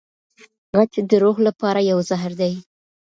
غچ د روح لپاره یو زهر دی.